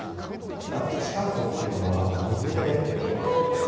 普段ピチカートっていうのは右手で。